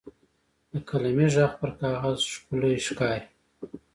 د قلمي ږغ پر کاغذ ښکلی ښکاري.